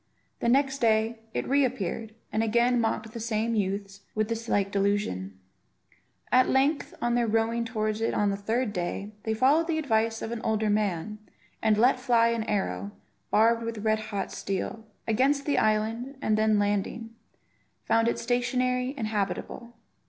The next day it re appeared, and again mocked the same youths with the like delusion. At length, on their rowing towards it on the third day, they followed the advice of an older man, and let fly an arrow, barbed with red hot steel, against the island; and then landing, found it stationary and habitable.